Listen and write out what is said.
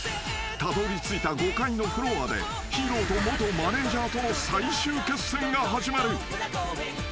［たどりついた５階のフロアでヒーローと元マネジャーとの最終決戦が始まる］